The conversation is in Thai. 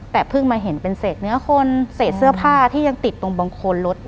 แต่เพิ่งมาเห็นเป็นเศษเนื้อคนเศษเสื้อผ้าที่ยังติดตรงบางคนรถ